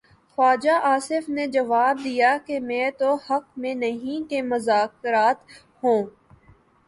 خواجہ آصف نے جواب دیا کہ میں تو حق میں نہیں کہ مذاکرات ہوں۔